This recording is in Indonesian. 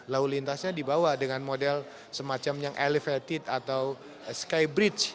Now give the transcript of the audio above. lalu lintasnya dibawa dengan model semacam yang elevated atau skybridge